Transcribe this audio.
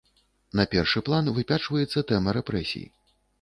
На першы план выпячваецца тэма рэпрэсій.